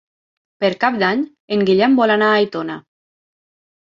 Per Cap d'Any en Guillem vol anar a Aitona.